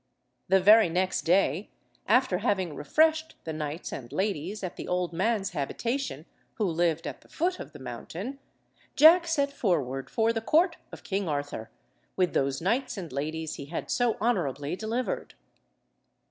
The very next day, after having refreshed the knights and ladies at the old man's habitation (who lived at the foot of the mountain), Jack set forward for the court of King Arthur, with those knights and ladies he had so honourably delivered.